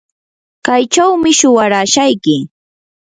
kaychawmi shuwarashayki.